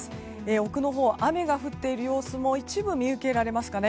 奥のほう、雨が降っている様子も一部見受けられますかね。